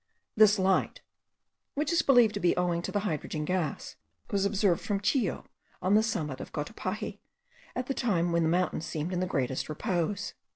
This light, which is believed to be owing to the hydrogen gas, was observed from Chillo, on the summit of the Cotopaxi, at a time when the mountain seemed in the greatest repose.